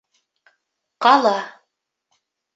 — Ҡала...